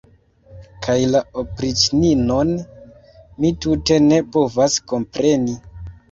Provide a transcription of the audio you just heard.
Kaj la opriĉninon mi tute ne povas kompreni.